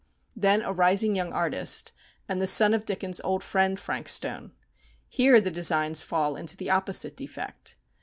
then a rising young artist, and the son of Dickens' old friend, Frank Stone. Here the designs fall into the opposite defect.